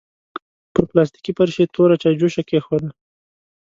پر پلاستيکي فرش يې توره چايجوشه کېښوده.